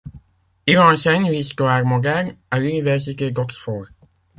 Il enseigne l'histoire moderne à l'université d'Oxford.